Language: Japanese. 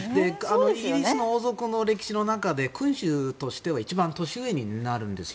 イギリスの王族の歴史の中で君主としては一番年上になるんです。